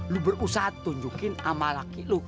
lu berusaha tunjukin sama laki lu